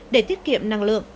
để tiết kiệm năng lượng